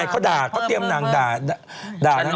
เขาด่าเขาเตรียมนางด่านั่งอยู่